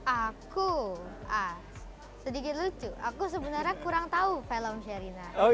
aku sedikit lucu aku sebenarnya kurang tahu film sherina